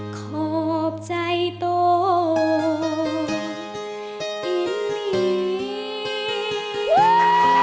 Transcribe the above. ขอบใจด้านที่ธรรมชาติ